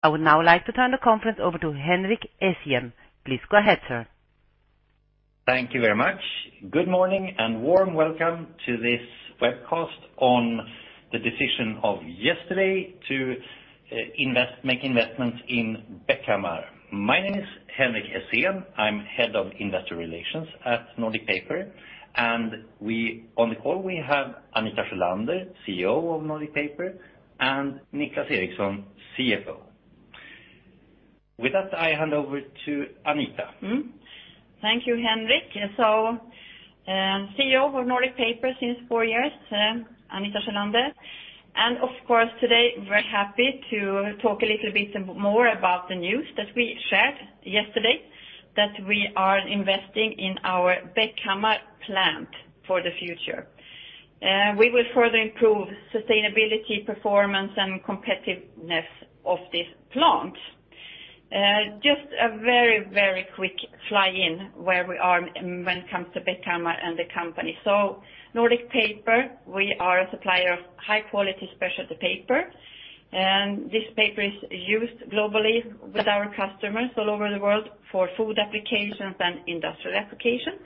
I would now like to turn the conference over to Henrik Essén. Please go ahead, sir. Thank you very much. Good morning, and warm welcome to this webcast on the decision of yesterday to invest, make investments in Bäckhammar. My name is Henrik Essén, I'm Head of Investor Relations at Nordic Paper, and on the call, we have Anita Sjölander, CEO of Nordic Paper, and Niclas Eriksson, CFO. With that, I hand over to Anita. Mm-hmm. Thank you, Henrik. So, CEO of Nordic Paper since 4 years, Anita Sjölander. And of course, today, very happy to talk a little bit more about the news that we shared yesterday, that we are investing in our Bäckhammar plant for the future. We will further improve sustainability, performance, and competitiveness of this plant. Just a very, very quick fly-in where we are when it comes to Bäckhammar and the company. So Nordic Paper, we are a supplier of high quality specialty paper, and this paper is used globally with our customers all over the world for food applications and industrial applications.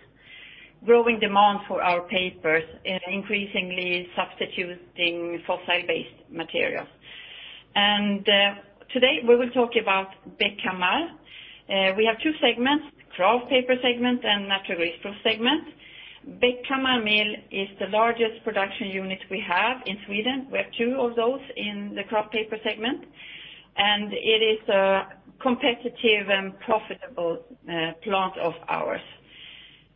Growing demand for our papers is increasingly substituting fossil-based materials. And, today, we will talk about Bäckhammar. We have two segments, kraft paper segment and natural greaseproof segment. Bäckhammar Mill is the largest production unit we have in Sweden. We have two of those in the kraft paper segment, and it is a competitive and profitable plant of ours.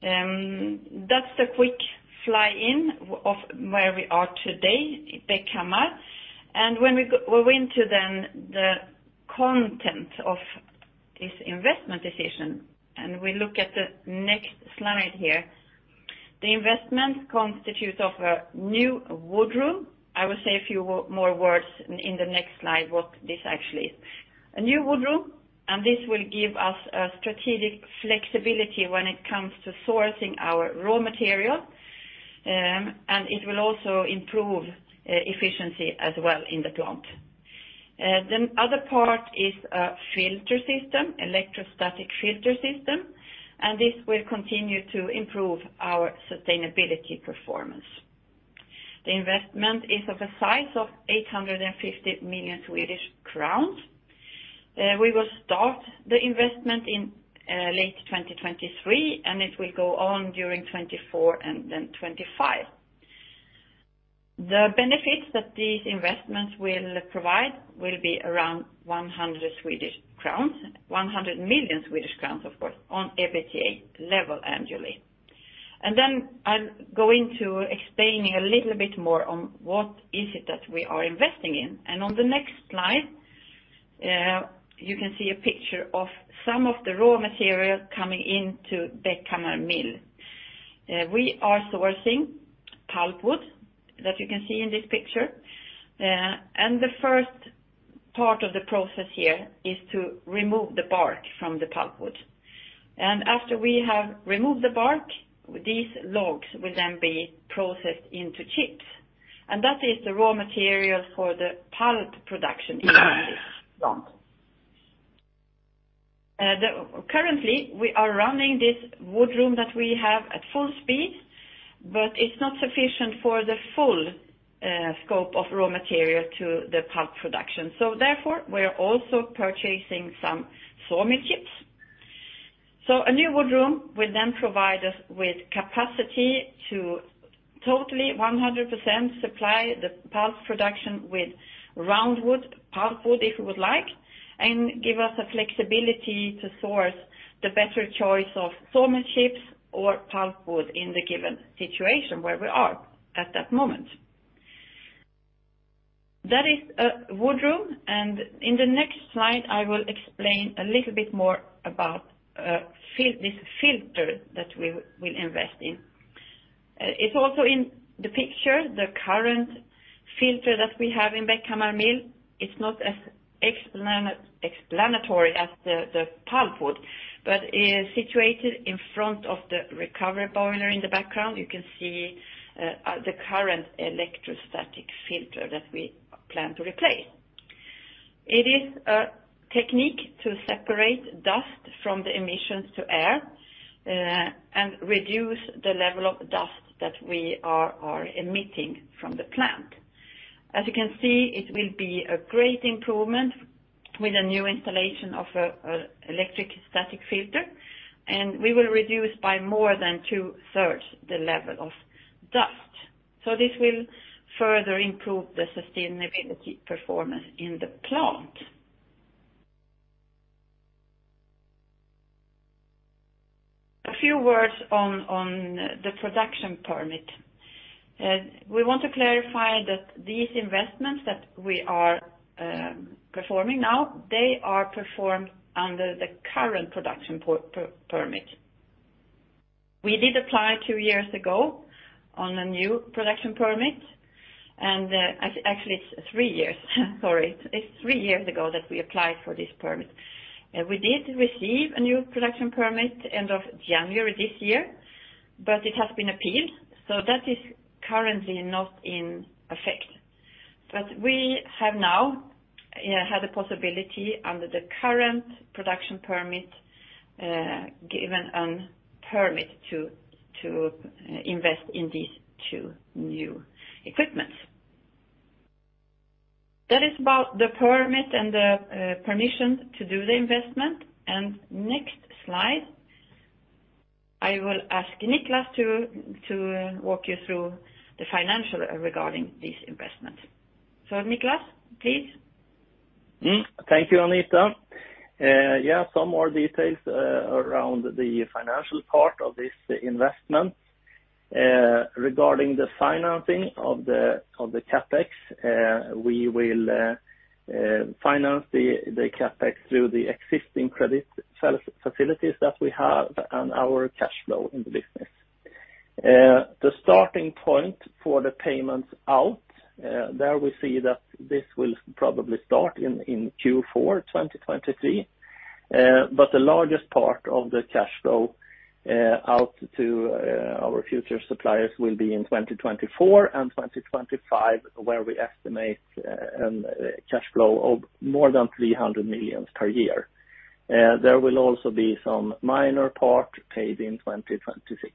That's the quick fly-in of where we are today, Bäckhammar. When we go, we went to then the content of this investment decision, and we look at the next slide here. The investment constitutes of a new wood room. I will say a few more words in the next slide, what this actually is. A new wood room, and this will give us a strategic flexibility when it comes to sourcing our raw material, and it will also improve, efficiency as well in the plant. The other part is a filter system, electrostatic filter system, and this will continue to improve our sustainability performance. The investment is of a size of 850 million Swedish crowns. We will start the investment in late 2023, and it will go on during 2024 and then 2025. The benefits that these investments will provide will be around 100 million Swedish crowns, of course, on EBITDA level annually. Then I'll go into explaining a little bit more on what is it that we are investing in. On the next slide, you can see a picture of some of the raw material coming into Bäckhammar Mill. We are sourcing pulpwood, that you can see in this picture, and the first part of the process here is to remove the bark from the pulpwood. After we have removed the bark, these logs will then be processed into chips, and that is the raw material for the pulp production in this plant. Currently, we are running this Wood room that we have at full speed, but it's not sufficient for the full scope of raw material to the pulp production. So therefore, we are also purchasing some Sawmill chips. So a new Wood room will then provide us with capacity to totally 100% supply the pulp production with roundwood, Pulpwood, if you would like, and give us a flexibility to source the better choice of Sawmill chips or Pulpwood in the given situation where we are at that moment. That is a Wood room, and in the next slide, I will explain a little bit more about this filter that we will invest in. It's also in the picture, the current filter that we have in Bäckhammar mill. It's not as explanatory as the pulpwood, but it is situated in front of the recovery boiler in the background. You can see the current electrostatic filter that we plan to replace. It is a technique to separate dust from the emissions to air and reduce the level of dust that we are emitting from the plant. As you can see, it will be a great improvement with a new installation of a electrostatic filter, and we will reduce by more than two-thirds the level of dust. So this will further improve the sustainability performance in the plant. A few words on the production permit. We want to clarify that these investments that we are performing now, they are performed under the current production permit. We did apply two years ago on a new production permit, and actually it's three years, sorry. It's three years ago that we applied for this permit. We did receive a new production permit end of January this year, but it has been appealed, so that is currently not in effect. But we have now had the possibility under the current production permit, given on permit to invest in these two new equipments. That is about the permit and the permission to do the investment. Next slide, I will ask Niclas to walk you through the financial regarding these investments. Niclas, please. Mm-hmm. Thank you, Anita. Yeah, some more details around the financial part of this investment. Regarding the financing of the CapEx, we will finance the CapEx through the existing credit facilities that we have and our cash flow in the business. The starting point for the payments out, there we see that this will probably start in Q4 2023. But the largest part of the cash flow out to our future suppliers will be in 2024 and 2025, where we estimate cash flow of more than 300 million per year. There will also be some minor part paid in 2026.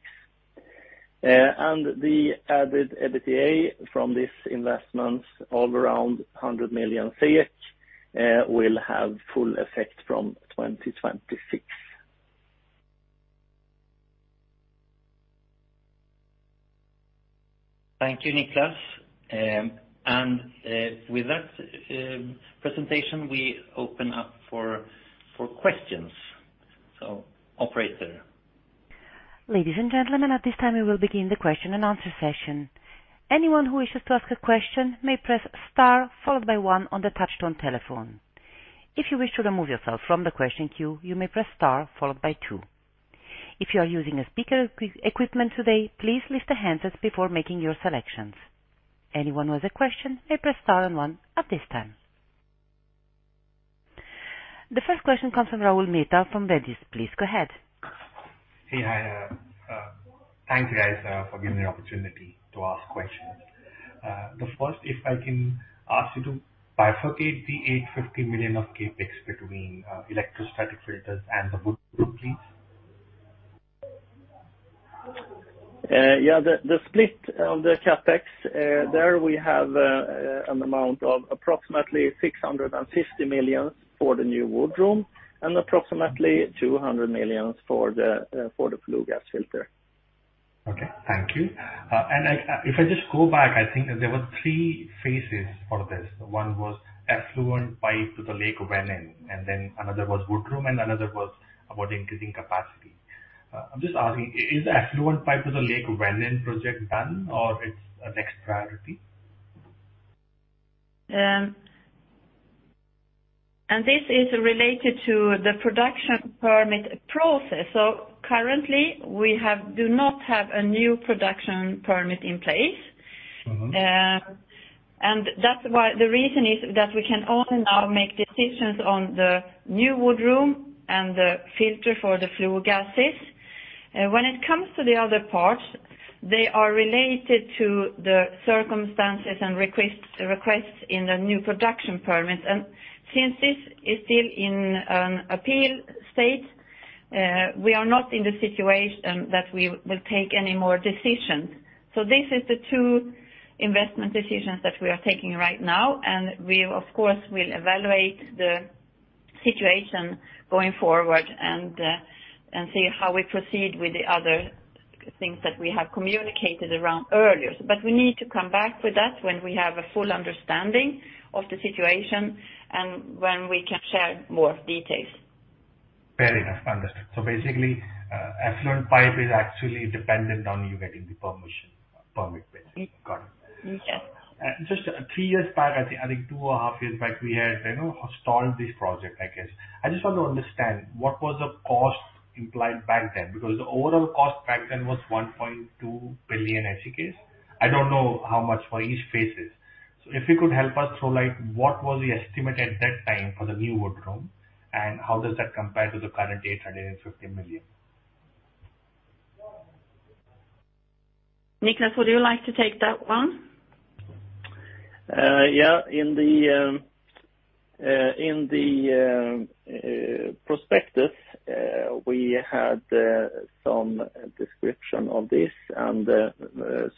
And the added EBITDA from this investment of around 100 million will have full effect from 2026. Thank you, Niclas. With that presentation, we open up for questions. So, operator. Ladies and gentlemen, at this time, we will begin the question and answer session. Anyone who wishes to ask a question may press Star, followed by one on the touchtone telephone. If you wish to remove yourself from the question queue, you may press Star, followed by two. If you are using a speaker equipment today, please lift the handset before making your selections. Anyone who has a question may press Star and one at this time. The first question comes from Rahul Mehta from Redeye. Please go ahead. Hey, hi. Thank you, guys, for giving me the opportunity to ask questions. The first, if I can ask you to bifurcate the 850 million of CapEx between electrostatic filters and the wood room, please? Yeah, the split on the CapEx, there we have an amount of approximately 650 million for the new wood room, and approximately 200 million for the flue gas filter. Okay, thank you. And if I just go back, I think there were three phases for this. One was effluent pipe to the Lake Vänern, and then another was Wood room, and another was about increasing capacity. I'm just asking, is the effluent pipe to the Lake Vänern project done or it's a next priority? This is related to the production permit process. Currently, we do not have a new production permit in place. Mm-hmm. And that's why the reason is that we can only now make decisions on the new wood room and the filter for the flue gases. When it comes to the other parts, they are related to the circumstances and requests, requests in the new production permit. And since this is still in an appeal state, we are not in the situation that we will take any more decisions. So this is the two investment decisions that we are taking right now, and we, of course, will evaluate the situation going forward and, and see how we proceed with the other things that we have communicated around earlier. But we need to come back with that when we have a full understanding of the situation and when we can share more details. Fair enough. Understood. So basically, effluent pipe is actually dependent on you getting the permission, permit with. Got it. Yes. Just 3 years back, I think, I think 2.5 years back, we had, you know, stalled this project, I guess. I just want to understand what was the cost implied back then? Because the overall cost back then was 1.2 billion SEK. I don't know how much for each phases. So if you could help us through, like, what was the estimate at that time for the new wood room, and how does that compare to the current 850 million? Niclas, would you like to take that one? Yeah. In the prospectus, we had some description of this, and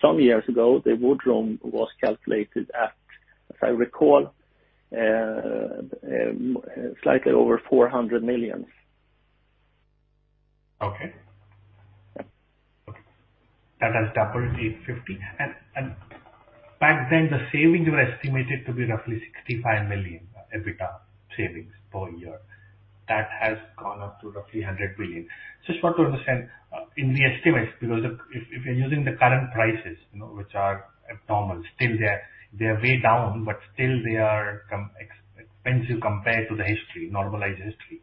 some years ago, the wood room was calculated at, as I recall, slightly over SEK 400 million. Okay. Okay. That has doubled to 850. And back then, the savings were estimated to be roughly 65 million, EBITDA savings per year. That has gone up to roughly 100 million. Just want to understand, in the estimates, because if you're using the current prices, you know, which are abnormal, still they are, they are way down, but still they are comparatively expensive compared to the history, normalized history.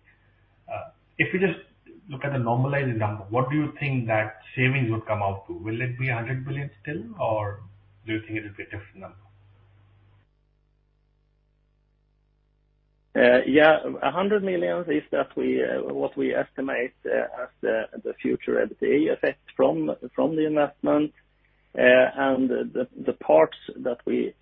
If you just look at the normalized number, what do you think that savings would come out to? Will it be 100 billion still, or do you think it will be a different number? ... Yeah, 100 million is what we estimate as the future EBITDA effect from the investment. And the parts that we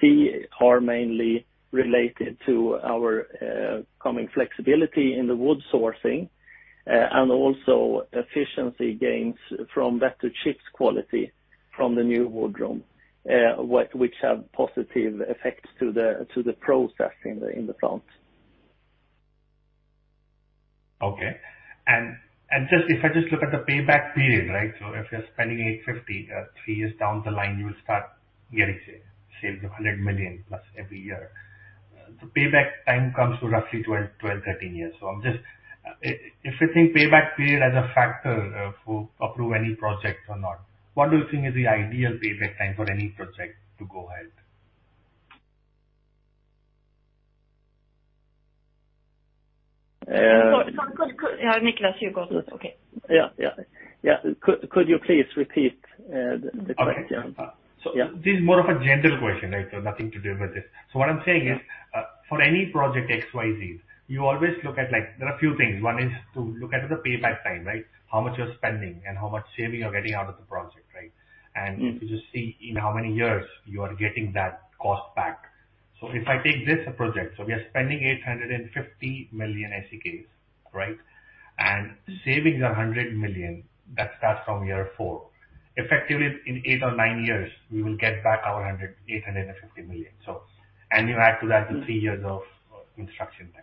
see are mainly related to our coming flexibility in the wood sourcing, and also efficiency gains from better chips quality from the new wood room, which have positive effects to the process in the plant. Okay. And just if I just look at the payback period, right? So if you're spending 850 million, three years down the line, you will start getting saved, saved 100 million plus every year. The payback time comes to roughly 12, 12, 13 years. So I'm just... If you think payback period as a factor to approve any project or not, what do you think is the ideal payback time for any project to go ahead? Uh- Could Niclas, you go? Okay. Yeah, yeah. Yeah. Could you please repeat the question? Okay. Yeah. So this is more of a general question, right? Nothing to do with this. So what I'm saying is, for any project XYZ, you always look at, like, there are a few things. One is to look at the payback time, right? How much you're spending and how much saving you're getting out of the project, right? Mm-hmm. And you just see in how many years you are getting that cost back. So if I take this project, so we are spending 850 million SEK, right? And savings are 100 million, that starts from year 4. Effectively, in 8 or 9 years, we will get back our 100, 850 million. So, and you add to that the 3 years of construction time.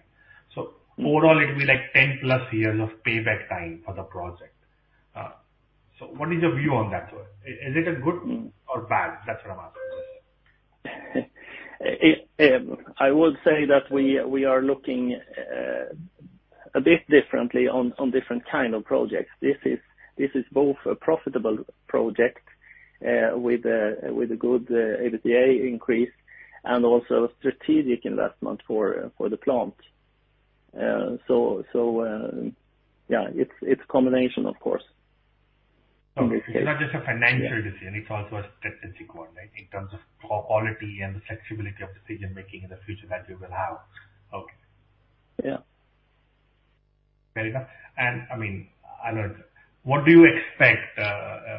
So overall, it will be like 10+ years of payback time for the project. So what is your view on that one? Is it a good or bad? That's what I'm asking. I would say that we are looking a bit differently on different kind of projects. This is both a profitable project with a good EBITDA increase and also a strategic investment for the plant. So yeah, it's a combination, of course. Okay. It's not just a financial decision, it's also a strategic one, right? In terms of quality and the flexibility of decision-making in the future that you will have. Okay. Yeah. Fair enough. And, I mean, I know... What do you expect,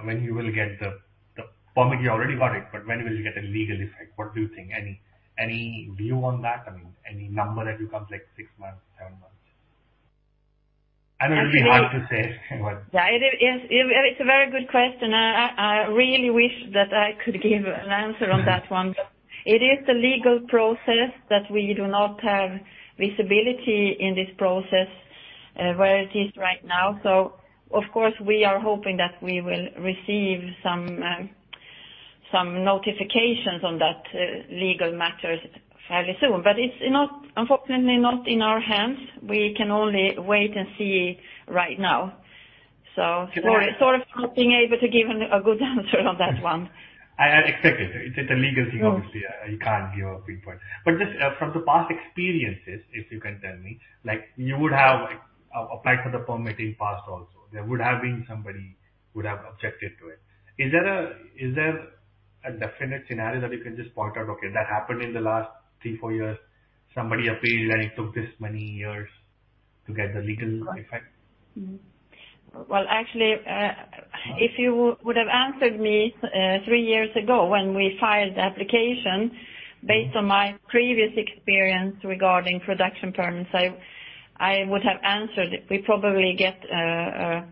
when you will get the, the permit? You already got it, but when will you get a legal effect? What do you think? Any, any view on that? I mean, any number that you come to, like, six months, seven months? I know it will be hard to say, but- Yeah, it is, it's a very good question. I really wish that I could give an answer on that one. It is the legal process that we do not have visibility in this process, where it is right now. So of course, we are hoping that we will receive some, some notifications on that, legal matters fairly soon. But it's not, unfortunately not in our hands. We can only wait and see right now. So sort of not being able to give a good answer on that one. I expect it. It's a legal thing, obviously, you can't give a pinpoint. But just, from the past experiences, if you can tell me, like, you would have applied for the permit in past also, there would have been somebody who would have objected to it. Is there a, is there a definite scenario that you can just point out, okay, that happened in the last 3-4 years? Somebody appealed, and it took this many years to get the legal effect. Mm-hmm. Well, actually, if you would have answered me three years ago when we filed the application, based on my previous experience regarding production permits, I would have answered, we'd probably get a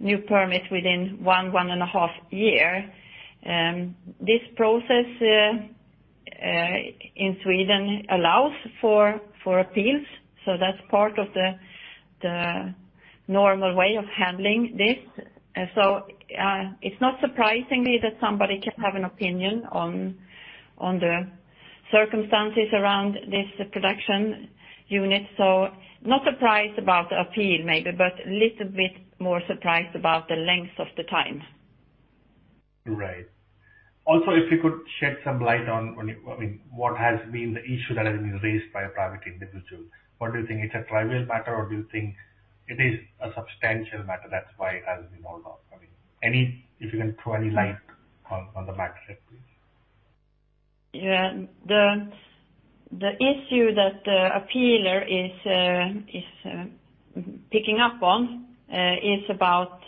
new permit within one and a half year. This process in Sweden allows for appeals, so that's part of the normal way of handling this. So, it's not surprisingly that somebody can have an opinion on the circumstances around this production unit. So not surprised about the appeal, maybe, but a little bit more surprised about the length of the time. Right. Also, if you could shed some light on when, I mean, what has been the issue that has been raised by a private individual? What do you think, it's a trivial matter, or do you think it is a substantial matter, that's why it has been held off? I mean, any... If you can throw any light on, on the matter, please. Yeah. The issue that the appealer is picking up on is about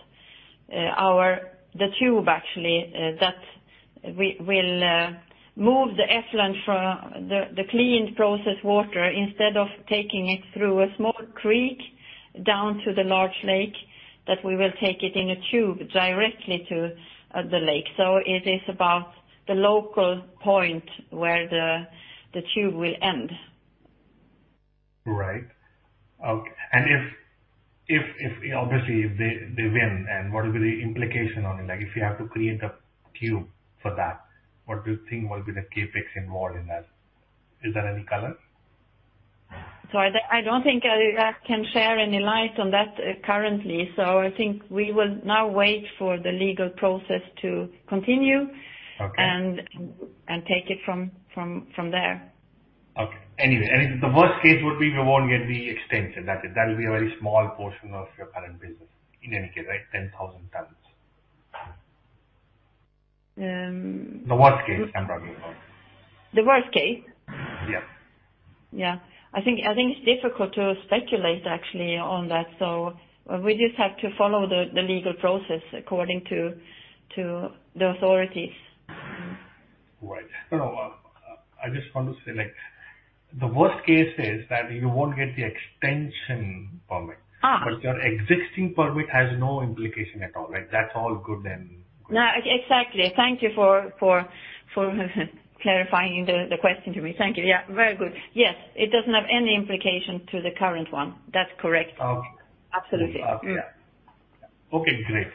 our... The tube, actually, that we will move the effluent from the cleaned processed water. Instead of taking it through a small creek down to the large lake, that we will take it in a tube directly to the lake. So it is about the local point where the tube will end. Right. OK. And if obviously, if they win, what will be the implication on it? Like, if you have to create a tube for that, what do you think will be the CapEx involved in that? Is there any color? So I don't think I can share any light on that currently. So I think we will now wait for the legal process to continue- Okay. and take it from there. Okay. Anyway, and if the worst case would be, we won't get the extension, that is, that will be a very small portion of your current business in any case, right? 10,000 tons.... The worst case, I'm talking about. The worst case? Yeah. Yeah. I think it's difficult to speculate actually on that, so we just have to follow the legal process according to the authorities. Right. No, I just want to say, like, the worst case is that you won't get the extension permit. Ah. Your existing permit has no implication at all, right? That's all good, then. No, exactly. Thank you for clarifying the question to me. Thank you. Yeah, very good. Yes, it doesn't have any implication to the current one. That's correct. Okay. Absolutely. Okay, great.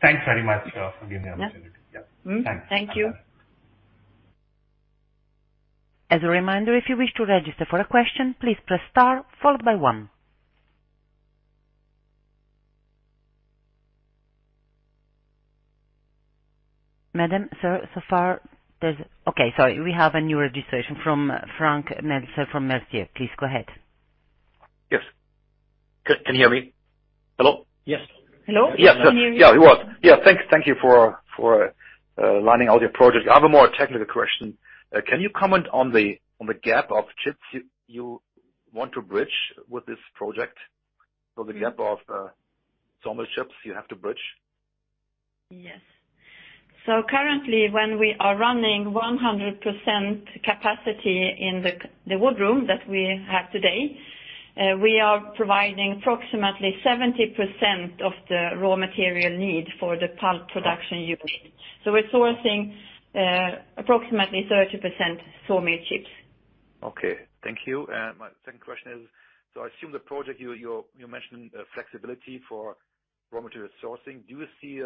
Thanks very much for giving me opportunity. Yeah. Yeah. Thanks. Thank you. As a reminder, if you wish to register for a question, please press star followed by one. Madam, sir. Okay, sorry. We have a new registration from uncertain. Please go ahead. Yes. Can, can you hear me? Hello? Yes. Hello? Yes. Yes, yeah, it works. Yeah, thank you for laying out your project. I have a more technical question. Can you comment on the gap of chips you want to bridge with this project? So the gap of sawmill chips you have to bridge. Yes. So currently, when we are running 100% capacity in the wood room that we have today, we are providing approximately 70% of the raw material need for the pulp production use. So we're sourcing approximately 30% sawmill chips. Okay, thank you. My second question is: So I assume the project you mentioned, flexibility for raw material sourcing. Do you see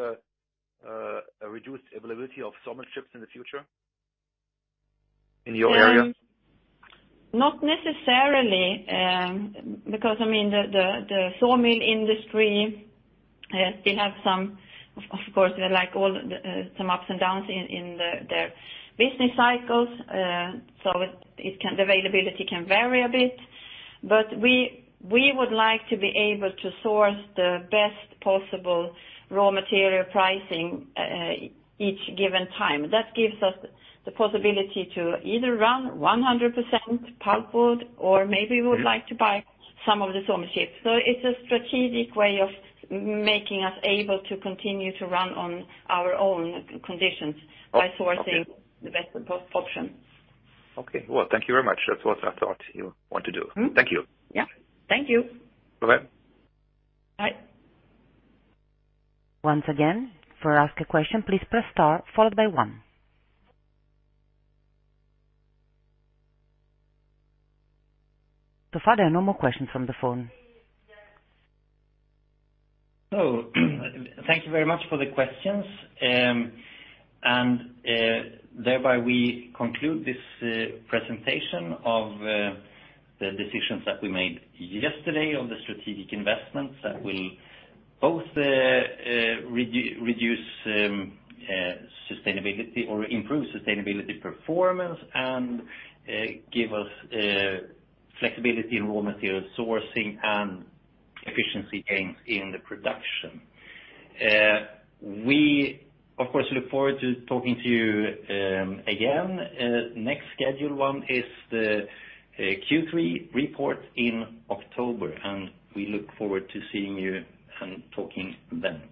a reduced availability of sawmill chips in the future, in your area? Not necessarily, because, I mean, the sawmill industry still have some, of course, like all, some ups and downs in the business cycles. So the availability can vary a bit, but we would like to be able to source the best possible raw material pricing, each given time. That gives us the possibility to either run 100% pulpwood, or maybe we would like to buy some of the sawmill chips. So it's a strategic way of making us able to continue to run on our own conditions. Okay. -by sourcing the best option. Okay. Well, thank you very much. That's what I thought you want to do. Mm. Thank you. Yeah. Thank you. Bye-bye. Bye. Once again, to ask a question, please press star followed by one. So far, there are no more questions from the phone. So, thank you very much for the questions. Thereby, we conclude this presentation of the decisions that we made yesterday on the strategic investments that will both reduce sustainability or improve sustainability performance, and give us flexibility in raw material sourcing and efficiency gains in the production. We, of course, look forward to talking to you again. Next scheduled one is the Q3 report in October, and we look forward to seeing you and talking then.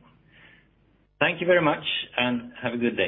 Thank you very much, and have a good day.